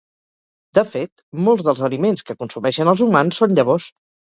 De fet, molts dels aliments que consumeixen els humans són llavors.